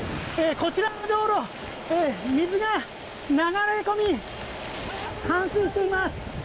こちらの道路、水が流れ込み冠水しています。